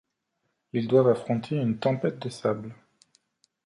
Ils doivent affronter une tempête de sable.